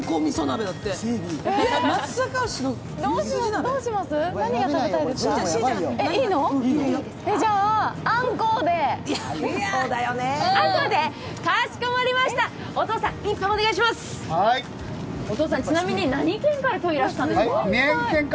ちなみにお父さん、何県からいらしたんですか？